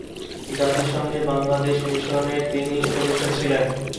জাতিসংঘে বাংলাদেশ মিশনের তিনি উপদেষ্টা ছিলেন।